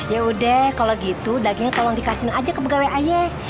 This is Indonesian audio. yaudah kalau gitu dagingnya tolong dikasihin aja ke pegawai ayah